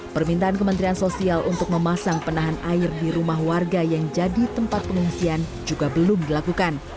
permintaan kementerian sosial untuk memasang penahan air di rumah warga yang jadi tempat pengungsian juga belum dilakukan